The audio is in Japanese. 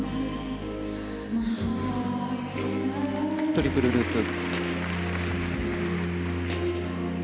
トリプルループ。